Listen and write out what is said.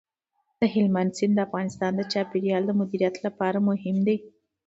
هلمند سیند د افغانستان د چاپیریال د مدیریت لپاره مهم دي.